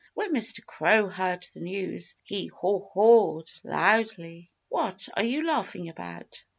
When Mr. Crow heard the news he haw hawed loudly. "What are you laughing about?"